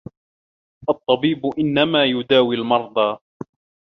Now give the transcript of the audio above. الطَّبِيبُ إنَّمَا يُدَاوِي الْمَرْضَى